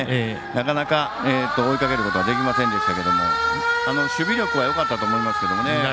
なかなか追いかけることができませんでしたけど守備力はよかったと思いますけどね。